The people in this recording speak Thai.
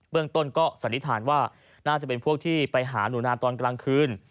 เรื่องต้นก็สันนิษฐานว่าน่าจะเป็นพวกที่ไปหาหนูนาตอนกลางคืน